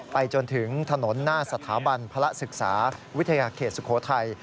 จนถึงถนนหน้าสถาบันพระศึกษาวิทยาเขตสุโขทัย